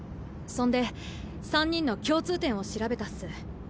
そんで三人の共通点を調べたっす。